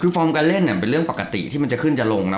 คือฟอร์มการเล่นเนี่ยเป็นเรื่องปกติที่มันจะขึ้นจะลงนะ